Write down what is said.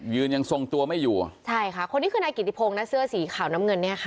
ยังทรงตัวไม่อยู่ใช่ค่ะคนนี้คือนายกิติพงศ์นะเสื้อสีขาวน้ำเงินเนี่ยค่ะ